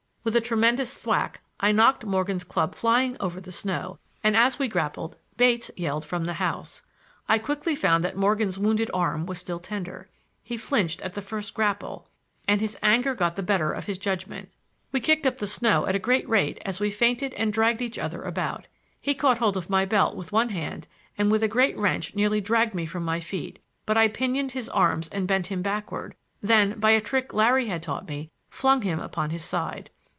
With a tremendous thwack I knocked Morgan's club flying over the snow, and, as we grappled, Bates yelled from the house. I quickly found that Morgan's wounded arm was still tender. He flinched at the first grapple, and his anger got the better of his judgment. We kicked up the snow at a great rate as we feinted and dragged each other about. He caught hold of my belt with one hand and with a great wrench nearly dragged me from my feet, but I pinioned his arms and bent him backward, then, by a trick Larry had taught me, flung him upon his side.